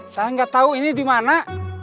saya nggak tahu ini dimana